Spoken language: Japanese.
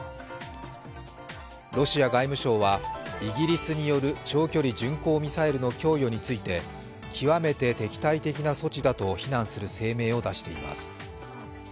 ロシア外務省は、イギリスによる長距離巡航ミサイルの供与について極めて敵対的な措置だと非難する声明を出しています。